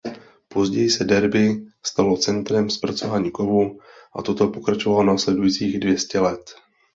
Později se Derby stalo centrem zpracování kovů a toto pokračovalo následujících dvě stě let.